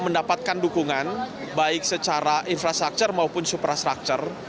mendapatkan dukungan baik secara infrastruktur maupun suprastructure